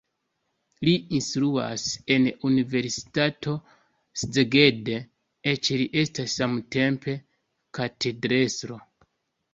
Li instruas en universitato Szeged, eĉ li estas samtempe katedrestro.